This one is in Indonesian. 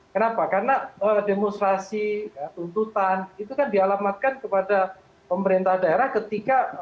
kenapa karena demonstrasi tuntutan itu kan dialamatkan kepada pemerintah daerah ketika